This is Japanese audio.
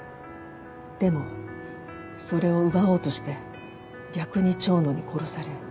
でもそれを奪おうとして逆に蝶野に殺され。